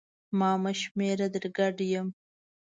ما مه شمېره در ګډ یم!